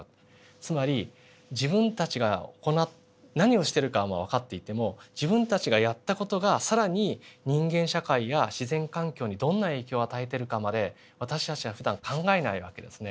つまり自分たちが何をしてるかはわかっていても自分たちがやった事が更に人間社会や自然環境にどんな影響を与えてるかまで私たちはふだん考えない訳ですね。